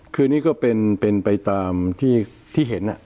คือนี่ก็เป็นไปตามที่เห็น